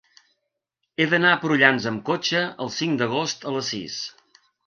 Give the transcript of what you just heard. He d'anar a Prullans amb cotxe el cinc d'agost a les sis.